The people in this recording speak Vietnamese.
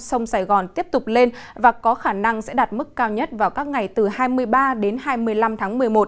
sông sài gòn tiếp tục lên và có khả năng sẽ đạt mức cao nhất vào các ngày từ hai mươi ba đến hai mươi năm tháng một mươi một